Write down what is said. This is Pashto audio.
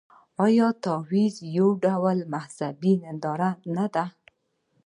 آیا تعزیه یو ډول مذهبي ننداره نه ده؟